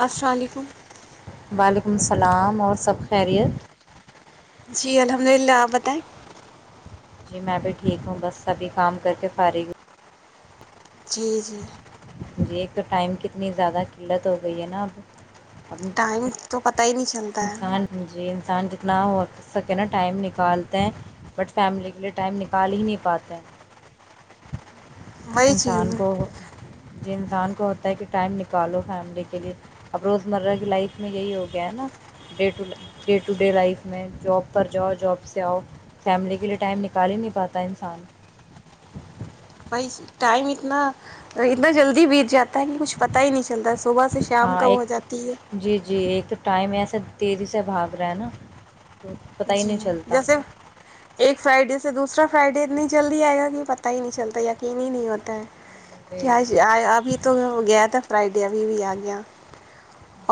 السلام علیکم وعلیکم السلام اور سب خیریت جی الحمد للہ آپ بتائیں جی میں بھی ٹھیک ہوں بس سبھی کام کر کے فارغ جی جی ہوں جی ایک تو ٹائم کتنی زیادہ قلت ہو گئی ہے نا اب ٹائم تو پتہ ہی نہیں چلتا ہے نہ ہو سکے نا ٹائم نکالتے ہیں بٹ فیملی کے لیے ٹائم نکال ہی نہیں پاتے ہیں وہئی چیز ہیں ج انسان کو ہوتا ہے کہ ٹائم نکالو فیملی کے لئے اب روز مرہ کی لائف میں یہی ہو گیا ہے نا day day to day life میں جاب پر جاؤ جاب سے آؤ فیملی کے لئے ٹائم نکال ہی نہیں پاتا انسان بھائی ٹائم اتنا اتنا جلدی بیت جاتا پتا کہ کچھ پتا ہی نہیں چلتا ہے صبح سے شام ہاں کا ہو ایک تو جاتی ہے جی جی ایک تو ٹائم ایسے تیزی سے بھاگ رہے ہیں ہے نا تو پتہ ہی نہیں جی چلتا جیسے ایک سائڈ اس اس سے دوسرا فرائیڈے اتنی جلدی آئے گا کہ پتہ نہیں چلتا یقین ہی نہیں ہوتا ہے جی کیا ابھی تو گیا تھا فرائیڈ کٹیاب بھی آ گں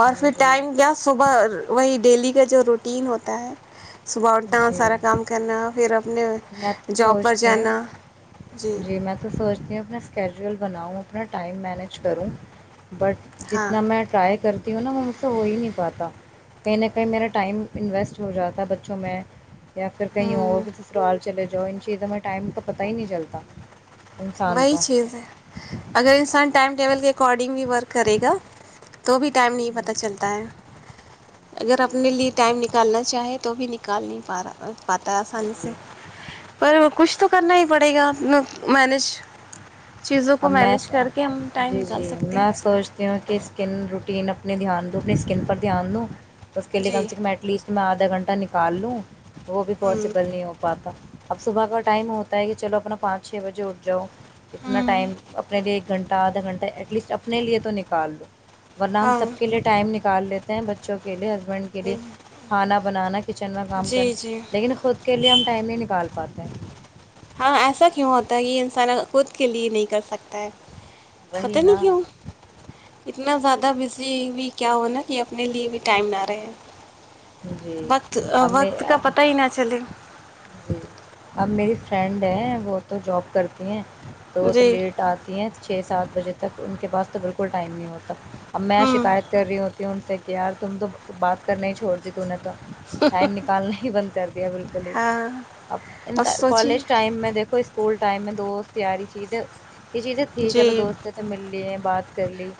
اور ہاں پھر جی ٹائم کیا صبح وہی ڈیلی کا جو روٹین ہوتا ہے [unintelligible] صبح اٹھا جی سارا کام کرنا پھر اپنے میں تو جاب پر سوچتی ہوں جانا جی میں تو سوچتی ہوں اپنا کیجوئل بناؤں اپنا ٹائم مینج کروں بٹ ہاں جتنا میں ٹرائی کرتی ہوں نا میں مجھ سے ہو ہی نہیں پاتا کہیں نہ کہیں میرا ٹائم انویسٹ ہو جاتا ہے بچوں میں یا پھر کہیں اور ہوں ٹال چلے جاؤ ان چیزوں میں ٹائم کا پتاہ ہی نہیں چلتا انسان وہی کو چیز ہے اگر انسان ٹائم ٹیبل کے اکارڈنگ بھی ورک کرے گا تو بھی ٹائم نہیں پتہ ہوں، چلتا ہے اگر جی اپنے لیے ٹائم نکالنا چاہیں تو بھی نکال نہیں پا رہا پا ہے آسانی سے جی پر وہ کچھ تو کرنا ہی پڑے گا مینج چیزوں کو اب میں مینج کر کے ہم ٹائم جی نکال جی سکتے میں ہیں سوچتی ہوں کہ اسکن ر رین اپنے دھیان دو اپنی اسکن پر دھیان دو اس کے لیے کم جی سےم ایٹ لیسٹ میں آدھا گنٹہ ا نکال لو وہ بھی ہوں پاسبل نہیں ہو پاتا اب صبح کا ٹائم ہوتا ہے کہ چلو اپنا پانچ چھ بجے اٹھ جاؤ اتنا ہوں اپنے لیے ایک گھنٹہ آدھا گھنٹہ ایٹ لیسٹ اپنے لیے تو نکال دوو ورنہ ہم ہاں سب کے لیے ٹائم نکال لیتے ہیں بچوں کے لیے ک جی جی ب کا ٹائم نہیں نکال پاتا ہاں ایسا کیوں ہوتا ہے یہ انسان خود کے لیے نہیں کر سکتا ہے وہی پتاہ نہیں نا کہ وہ اتنا زیادہ بزی ہوئی کیا ہو نا کہ اپنے لیے بھی ٹائم نہ رہے جی وقت اب وقت کا میں پتا ہی نہ چلے جی اب میری فرینڈ ہے وہ تو جاب کرتی ہیں تو تو جی لیٹ آتی ہیں چھ سات بجے تک ان کے پاس تو بالکل ٹائم نہیں ہوتا اب میں ہوں شکایت کر رہی ہوتی ہوں ان سے کہ یار تم تو بات کر نہیں چھوڑ جیکنت تو ٹائم نکالنے ہی بند کر دیا بالکل ہی ہاں اب اور سوچیے کالج ٹائم میں دیکھو اس سکول ٹائم میں دوست تیاری چیز یہ چیزیں تھی جی چلو دوست سےے مل لی ہیں بات کرلی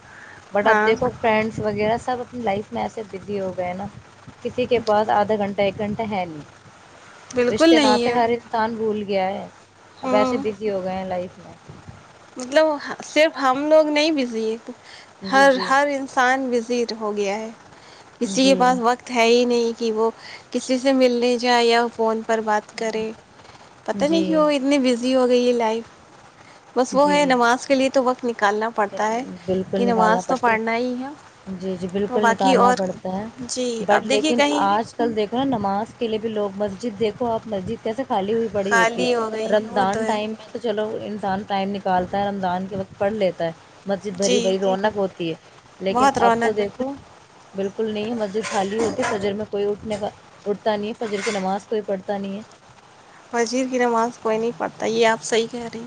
بٹ اب ہاں دیکھو فرینڈس وغیرہ سب اپنی لائف میں ایسے ودی ہو گئے نا کسی کے پاس آدھا گھنٹہ ایک گھنٹہ ہے نہیں بالکل رشتے نہیں نتے ہے ہر انسان بھول گ گیا ہے اب ایسے ہوں بزی ہو گئے ہیں لائف میں مطلب صرف ہم لوگ نہیں بزی جی ہر جی ہر انسان وزی ہو گیا ہے کسی کے جی پاس وقت ہے ہی نہیں کہ وہ کسی سے ملنے جائے یا فون بات کریں پت نہیں جی کی ہو اتنے بزی ہو گئی لائف بس وہ ہے جی نماز کے لیے تو وقت نکالنا پڑتا ہے کہ بالکل نکالنا نماز تو پڑتی پڑھنا ہی ہے جی جی اور بالکل باقی نکالنا اور پڑتا ہے جی بٹ اب دیکھیے لیکن کہیں آج کل دیکھو نا نماز لیے بھی لوگ مسجد دیکو آپ مسجد کیسے خالی ہوئی پڑی ہوتی خالی ہو ہے گئی وہ تو رمضان ہے ٹائم میں تو چلو انسان کو ٹائم نکالتا ہے رمضان کے وقت پڑھ لیتا ہے مسجد جی بھری بھری رونق ہوتی ہے لیکن بہت اب تو رونق دیکھو بالکل نہیں ہے مسجد خالی ہوتی فجر میں کوئی اٹھنے کا اٹھتا نہیں ہے فجر کی نماز کوئی پڑھتا نہیں ہے وزیر کی نماز کوئی نہیں پڑتا یہ آپ صحیح کہ رہی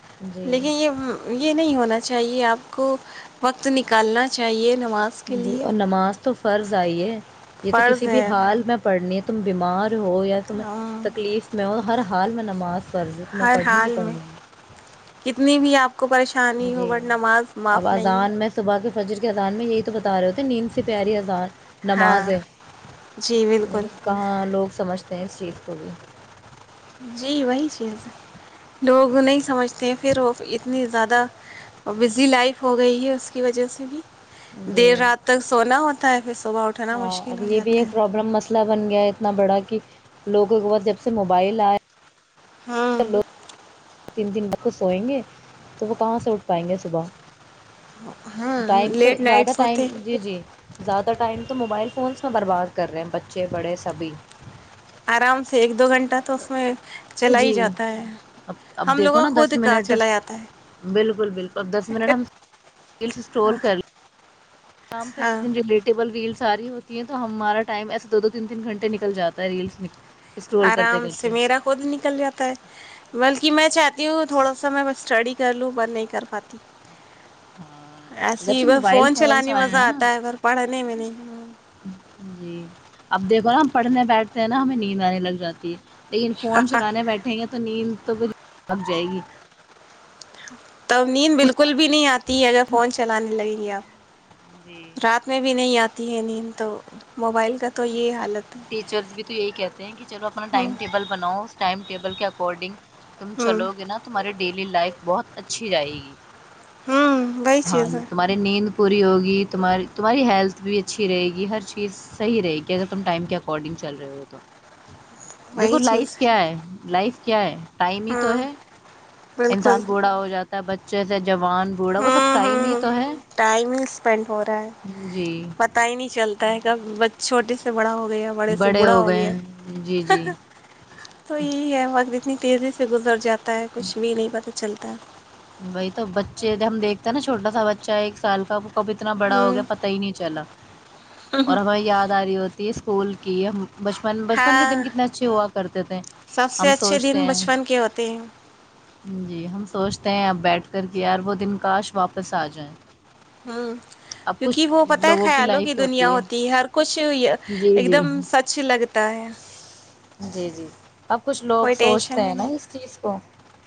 ہے جی لیکن یہ یہ نہیں ہونا چاہیے آپ کو وقت نکالنا چاہیے نماز کے جی لیے اور نماز تو فرض جئیے یہ تو فرض کسی بھی ہے حال میں پڑھنی تم بیمار ہو یا تمہیں تکلیف میں ہو ہر حال میں نماز فرض ہے تمہیں ہر پڑھنی ہی حال میں پڑھنی ہے کتنی بھی آپ آ کو پریشانی ہو جی بٹ نماز اب معاف نہیں ہے اذان میں صبح کے فجر کے اذان میں یہی تو بتا رہے ہو تھے نیند سے پیاری اذان نماز ہاں ہے جی بالکل لیکن کہاں لوگ سمجھ تینس چیف کولی جی وہی چیز ہے لوگ نہیں سمجھتے ہیں پھر وہ اتنی زیادہ بزی لائف ہو گئی ہے اس کی وجہ سے بھی جی دیر رات تک سونا ہوتا حفظ ہاں اب یہ بھی ایک پرابلم مس مسلہ بن گیا اتنا بڑا کہ لوگوں کے بعس جب سے موبائل آئے ہاں تین دن ب کو سوئیں گے تو وہ کہاں سے اٹھ پائیں گے صبح ہاں ٹائم تو لیٹ زیادہ نائٹس ٹائم ہوتے جی جی زیادہ ا ٹائم تو موبائل فونس میں برباد کر رہے ہیں بچے بڑے سبھی ارام سے ایک دو گھنٹہ تو اس میں چلا ہی جی جاتا ہے اب اب ہم دیکھو لوگوں نا دس خود کا منٹ چلا جاتا ہے بالکل بالکل اب دس منٹ ہم ریلس اسٹور کر لیں ام پہ ہاں جن جوٹیبل ویل ساری ہوتی ہے تو ہمارا ٹائم ایسا دو تین تین گھنٹ نکل جا ہے ریلس اسکرول کرتے آرام سے کرتے میرا خود نکل جاتا ہے بلک کہ میں چاہتی ہوں تھوڑا سا میں اسٹڈی کر لوں ب نہیں کر پاتی ہاں ایسے جب ہی سے ب موبائل فون فونس چلانی آئے مزہ ہیں نا آتا ہے ب پڑھنے میں نہیں جی اب دیکھو نا ہم پڑھنے بیٹھتے ہیں نا ہمیں نیند آنے لگ جاتی ہے لیکن فون چلانے بیٹھے گے تو نیند تو وہ لگ جائے گی [unintelligible] توب نیند بالکل بھی نہیں آتی اگر فون چلانے لگیں گے جی آپ رات میں بھی نہیں آتی ہے نہیں تو موبائل کا تو یہ حالت ہے ٹیچرس بھی تو یہی کہتے ہیں کہ چلو اپنا ہوں ٹائم ٹیبل بناؤ اس ٹائم ٹیبل کے بورڈنگ [unintelligible] تم ہوں چلو گے نا تمہارے ڈیلی لائف بہت اچھی رہائے گی ہوں وہی ہاں چیز ج ہے تمہاری نیند پوری ہوگی تمہاری تمہاری ہیلتھ بھی اچھی رہے گی ہر چیز صحیح رہے گی اگر تم ٹائم کے اکارڈنگ چل رہے ہو تو دیکھو وہی لائف چیز کیا ہے لائف کیا ہے ٹائم ہی تو ہاں ہے بالکل انسان بوڑھا ہو جاتا بچے سے [unintelligible] بوڑھا وہ سب ہوں ٹائم ہی ہوں تو ہے ٹائم ہی اسپینڈ ہو رہا ہے جی پت ہی نہیں چلتا ہے کب ب چھوٹے سے بڑا ہو [unintelligible] گیا بڑے سے بڑا ہو گئے گیا ہیں جی جی تو یہی ہے بقری [unintelligible] اتنی تیزی سے گزر جاتا ہے کچھ بھی نہیں پتہ چلتا وہی تو بچے جب ہم دیکھتے ہیں نا چھوٹا سا بچہ ہے ایک سال کا ب اتنا بڑا ہو ہوں گیا پتا ہی نہیں چلا اور ہمیں یاد آ رہی ہوتی ت اسکول کی بچپن بچپن کے دن ہاں کتنے اچھے ہوا کرتے تھے سب ہم سے اچھے سوچتے دن ہیں بچپن کے ہوتے ہیں جی ہم تووست ہیں اپ بیٹھ کر کے یار وہ دن کاش واپس آ جائیں ہ اب کچھ کیونکہ وہ پت ہے لوگوں خیالوں کی لائف دنیا ہوتی ہے ہر کچھ جی ایک جی دم سچ لگتا ہے جی جی اب کچھ لوگ کوئی سوچتے ٹینشن بھی ہیں نا اس چیز کو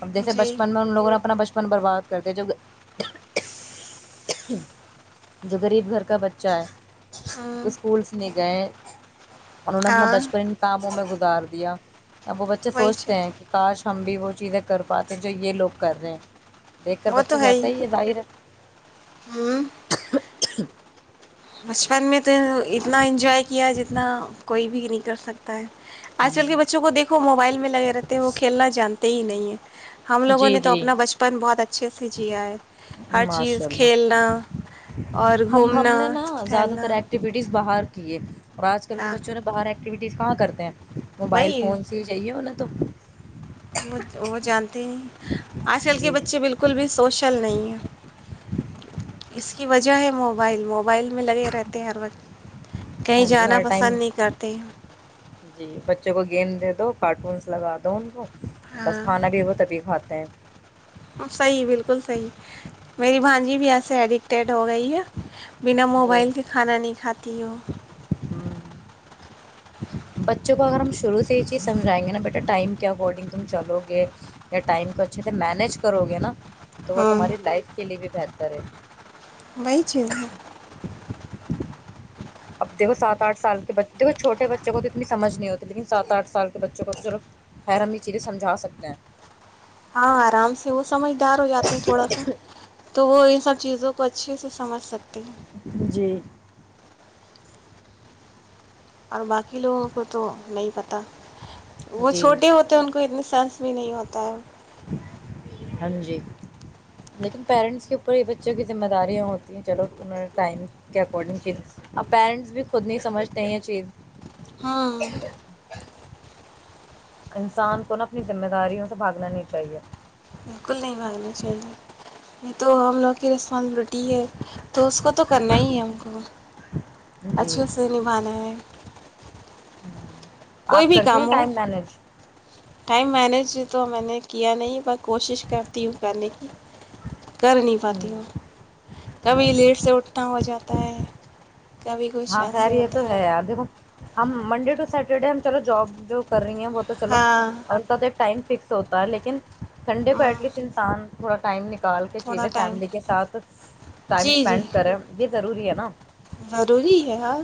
اب جیسے جی بچپن میں ان لوگوں نے اپنا بچپن برباد کرتے جو جو گغریب گھر کا بچہ ہے ہوں اسکولس نہیں گئے انہوں نے اپنا ہاں بچپن کاموں میں گزار دیا ودیا اب وہ بچے وہی سوچتے چیز ہیں کہ کاش ہم بھی ہو چیزیں کر پاتے ہیں جو یہ لوگ کر رہے ہیں دیکھ کر وہ بچہ تو ہے ہی کہتا یہ ظاہر ہوں [unintelligible] بچپن میں تو اتنا انجوائے کیا جتنا کوئی بھی نہیں کر سکتا ہے آج کل کے ہے بچوں کو دیکھو موبائل میں لگے رہتے ہیں وہ کھیلنا جانتے ہی نہیں ہے ہم لوگوں جی نے تو جی اپنا بچپن بہت اچھے سے جیا ہے ہر ماشاء چیز اللہ کھیلنا اور ہم ہم گھومنا نے نا زیادہ تر ٹہلنا ایکٹیوٹیز باہر کیے اور آج کل کے ہاں بچوں نے باہر ایکٹیوٹی یز کہاں کرتے ہیں موبائل وہی فون سے ہی چاہیے ن ک دو وہ وہ جانتا تین آج کل کے جی بچے بالکل بھی سوشل نہیں ہیں اس کی وجہ ہے موبائل موب موبائل میں لگے رہتے ہیں ہر وقت کہیں ہاں جی جانا ہر ٹائم پسند نہیں کرتے ہیں جی بچوں کو گیم دے دو کارٹونس لگا دو ان کو بس ہاں کھانا بھی وہ تبھی کھاتا [inaudible] صحیح بالکل صحیح میری بانجی بھی ایسے ایڈکٹیڈ ہو گئی ہے بنا جی موبائل کے کھانا نہیں کھاتی ہو ہوں بچوں کو اگر ہم شرو ی سجھائیں گا ب ٹائم کے اکارڈنگ تم چلو گے یا ٹائم کو اچھے سے مینج کرو گے نا تو وہ ہاں تمہاری لائف کے لیے بھی بہتر طر بئی چیز ہے اب دیکھو سات آٹھ سال کے بچے دیکو چھوٹے بچوں کو تو اتنی سمجھ نہیں ہوتی لیکن سات آٹھ سال کے بچوں کو تو چلو خیر ہممی چیزیں سمجھا سکتے ہیں ہاں آرام سے اس سمجھدار ہو جاتے ہیں تھوڑا سا تو وہ ان سب چیزوں کو اچھے سے سمجھ سکتے ہیں جی اور باقی لوگوں کو تو نہیں پتہ وہ جی چھوٹے ہوتے ان کو اتنی شان بھی نہیں ہوتا ہے ہاں جی لیکن پیرنٹس کے اوپر یہ بچوں کی ذمہ داریاں ہوتی ہیں چلو انہوں ٹائم کے اکارڈنگ چز اب پیرنٹس بھی خود نہیں سمجھتے یہ چیز ہاں انسان کو نا اپنی ذمہ داریوں سے بھاگنا نہیں چاہیے بالکل نہیں بانگنا چاہیے نہیں تو ہم لوک ر پ روٹی ہے تو اس کو تو کرنا ہی ہے ہم کو جی اچھے سے نبھانا ہے ہوں آپ کوئی بھی کرتی ہیں کام ہو ٹائم مینج ٹائم مینیج تو میں نے کیا نہیں بس کوشش کرتی ہوں کرنے کی کر نہیں پاتی ہوں کبھی لیٹ سے اٹ پٹا ہو جاتا ہے کبھی کچھ ہاں خیر ایسے یہ ہوتا تو ہے آ دیکھ ہم منڈے ٹو سیٹرڈے ہم چلو جاب جو کر رہی ہیں وہ تو چلو ہاں اور تود ٹائم فکس ہوتا ہے لیکن ھنڈے کو ایٹ لیسٹ انسان تھوڑ ٹائمک ال کے تھوڑا چھے ٹائم فیملی کے ساتھ ٹائم جی جی اسپینڈ کریں ج ضروری ہے نا ضروری ہے ہا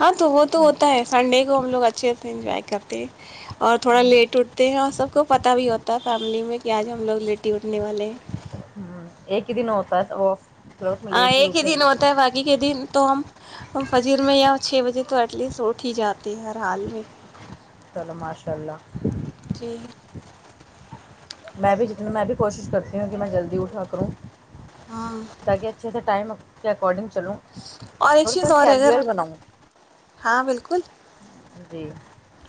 ہاں تو وہ تو ہوں ہوتا ہے سنڈے کو ہم لوگ اچھے انجاائے کرتے اور تھوڑا لیٹ اٹھتے ہیں اور سب کو پتا بھی ہوتا ہے فیملی میں کیا آج ہم لوگ لیٹی ہوں ایک ہی دن ہوت پر وہف [unintelligible] ہاں ایک ہی دن ہوتا ہے باقی کے دن تو ہم فجیر میں یا چھ بجے تو ایٹ لیسٹ اٹھ ہی جاتے ہر حال میں چلو ماشاء اللہ جی میں بھی جتنا میں بھی کوشش کرتی ہوں کہ میں جلدی اٹھا کروں ہاں دگے اچھے تھ ٹائم کے اکارڈنگ چلو اور ایک چیز اور ہے اگر ہاں بالکل جی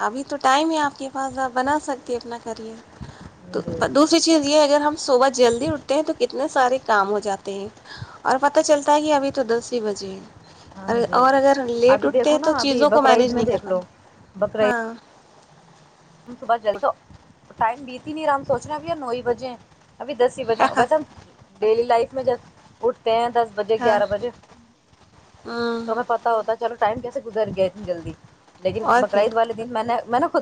ابھی تو ٹائم ہے آپ کے پاس آپ بنا سکتی اپنا ہاں جی تو دوسری چیز یہ اگر ہم صبح جلدی اٹھتے ہیں تو کتنے سے سارے کام ہو جاتے ہیں اور پت چلتا ہے کہ ابھی تو دس ہی بجے ہاں جی اور اگر لیٹ ابھی اٹھتے دیکھو ہیں نا تو ابھی چیزوں کو بقر عید مینیج میں نہیں کر دیکھ لو پاتے بقر عید ہاں صبح جلد تو ٹائم بیتی نہیں ہم سوچ رہے ا بھآئی نو ہی بجے ابھی دسی ہی ہاں بجہ ڈیلی لائف میں جب اٹھتے ہیں دس بجے گیارہ ہاں بجے توہیں پتا ہوتا چل ٹائم کیسے گزر گیا اتنی جلدی لیکن اور کیا بقرعید والے دن میں نے میں نےا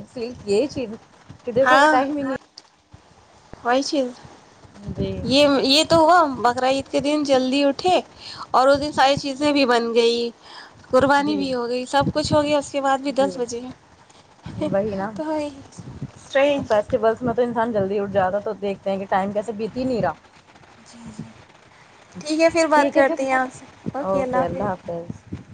یہ چیز [unintelligible] کہ دیک کوو بھی ٹائم ہی نہیں و چ جی [unintelligible] یہ یہ تو ہوا بکرعید کے دن جلدی اٹھے اور اس دن ساری چیزیں بھی بن گئیں قربانی جی بھی ہو گئی سب کچھ ہو گیا اس کے بعد بھی جی دس بجے وہی نا تو اسٹررنج جیادہ تو دیکھتے ہیں کہ ٹائم کیسے بیتی ہی نہی راہ ٹھیک ہے پھر بات ٹھیک ہے کرتے پھر ہیں یہپ سے اوکے اللہ حافظ